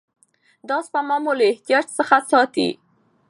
دا سپما مو له احتیاج څخه ساتي.